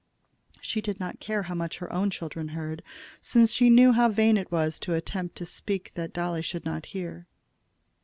She did not care how much her own children heard, and she knew how vain it was to attempt so to speak that Dolly should not hear.